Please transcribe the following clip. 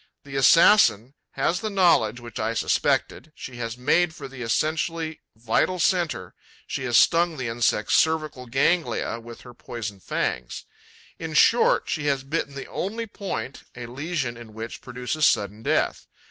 The assassin has the knowledge which I suspected: she has made for the essentially vital centre, she has stung the insect's cervical ganglia with her poison fangs. In short, she has bitten the only point a lesion in which produces sudden death.